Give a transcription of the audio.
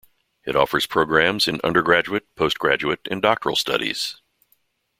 It offers programmes in undergraduate, post-graduate, and doctoral studies.